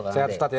sehat ustadz ya